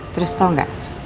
terus tau gak